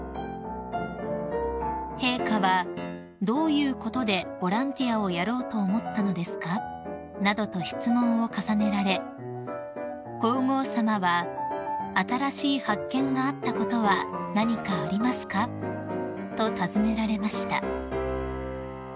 ［陛下は「どういうことでボランティアをやろうと思ったのですか？」などと質問を重ねられ皇后さまは「新しい発見があったことは何かありますか？」と尋ねられました］